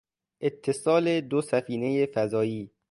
اتصال دو سفینهی فضایی